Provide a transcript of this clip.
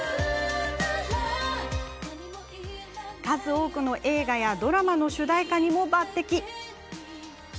数多くの映画やドラマの主題歌にも抜てき。